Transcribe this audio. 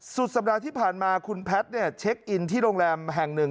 สุดสัปดาห์ที่ผ่านมาคุณแพทย์เช็คอินที่โรงแรมแห่งหนึ่ง